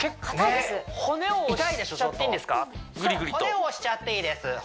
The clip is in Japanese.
そう骨を押しちゃっていいです